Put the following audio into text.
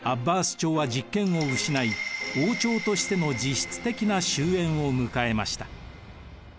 朝は実権を失い王朝としての実質的な終えんを迎えました。